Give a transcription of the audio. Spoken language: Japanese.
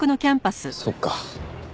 そっか。